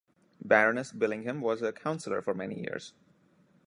Baroness Billingham was a councillor for many years.